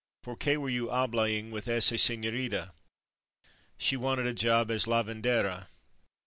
Porque were you hablaing with ese señorita? She wanted a job as lavandera.